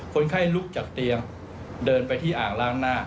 คนไข้ลุกจากเตียงเดินไปที่อ่างล้างหน้า